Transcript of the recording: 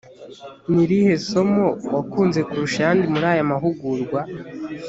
ni irihe somo wakunze kurusha ayandi muri aya mahugurwa